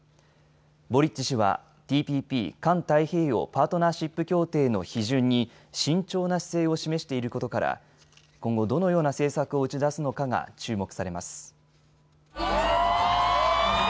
ボリッチ氏はＴＰＰ・環太平洋パートナーシップ協定の批准に慎重な姿勢を示していることから今後どのような政策を打ち出すのかが注目されます。